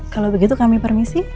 kalau begitu kami permisi